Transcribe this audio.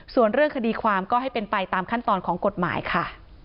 ส่วนเรื่องคดีความก็ให้เป็นไปตามขั้นตอนของกฎหมายค่ะ